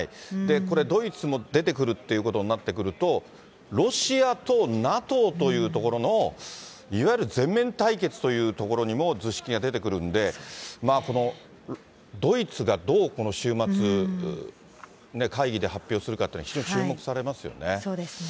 これ、ドイツも出てくるっていうことになってくると、ロシアとＮＡＴＯというところの、いわゆる全面対決というところにも図式が出てくるんで、このドイツがどうこの週末、会議で発表するかというのは非常に注そうですね。